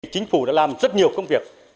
chính phủ đã làm rất nhiều công việc